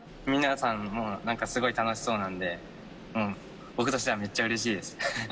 皆さんも何かすごい楽しそうなんで僕としてはめっちゃうれしいです。